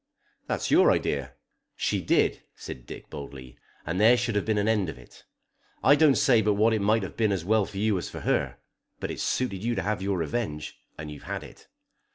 "That's your idea." "She did," said Dick boldly. "And there should have been an end of it. I don't say but what it might have been as well for you as for her. But it suited you to have your revenge, and you've had it."